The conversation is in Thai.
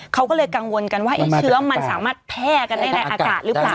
เขาก็เลยกังวลกันว่าเชื้อมันสามารถแพร่กันได้ในอากาศหรือเปล่า